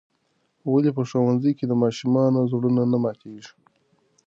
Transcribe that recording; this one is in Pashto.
ولې په ښوونځي کې د ماشومانو زړونه نه ماتیږي؟